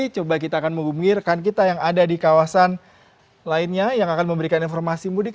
coba kita akan membumi rekan kita yang ada di kawasan lainnya yang akan memberikan informasi mudik